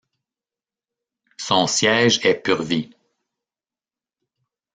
Son siège est Purvis.